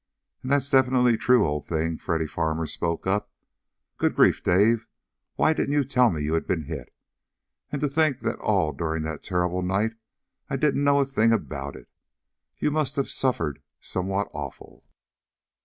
"And that's definitely true, old thing!" Freddy Farmer spoke up. "Good grief, Dave, why didn't you tell me you had been hit? And to think that all during that terrible night flight I didn't know a thing about it. You must have suffered something awful!"